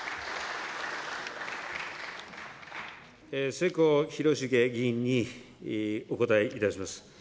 世耕弘成議員にお答えいたします。